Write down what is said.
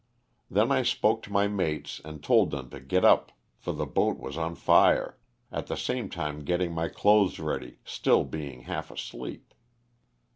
Then I spoke to my mates and told them to get up for the boat was on fire, at the same time getting my clothes ready, still being half asleep.